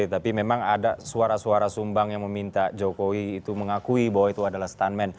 tapi memang ada suara suara sumbang yang meminta jokowi itu mengakui bahwa itu adalah stuntman